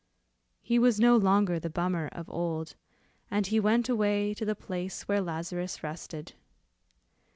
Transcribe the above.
He was no longer the Bummer of old, and he went away to the place where Lazarus rested.